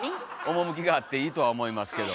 趣があっていいとは思いますけど。